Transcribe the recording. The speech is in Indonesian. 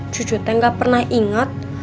cucutnya nggak pernah ingat